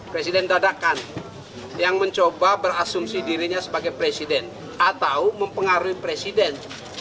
presiden dadakan yang mencoba berasumsi dirinya sebagai presiden atau mempengaruhi presiden